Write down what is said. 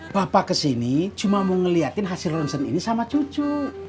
bapak kesini cuma mau ngeliatin hasil ronsen ini sama cucu